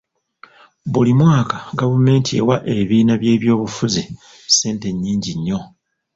Buli mwaka gavumenti ewa ebibiina by'ebyobufuzi ssente nnyingi nnyo.